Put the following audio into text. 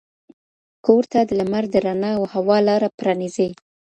کور ته د لمر د رڼا او هوا لاره پرانیزئ.